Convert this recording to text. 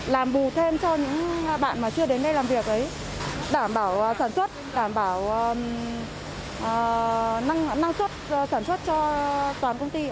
làm bù thêm cho những bạn mà chưa đến đây làm việc ấy đảm bảo sản xuất đảm bảo nâng năng suất sản xuất cho toàn công ty